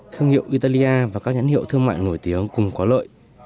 thương hiệu italia và các nhãn hiệu thương mại nổi tiếng cùng có lợi